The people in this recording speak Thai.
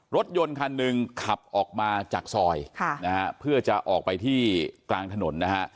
รถยนต์คันหนึ่งขับออกมาจากซอยค่ะนะฮะเพื่อจะออกไปที่กลางถนนนะฮะ